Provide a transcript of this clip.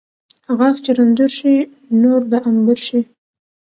غاښ چې رنځور شي، نور د انبور شي.